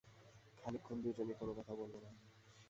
খানিকক্ষণ দুই জনেই কোনো কথা বলল না।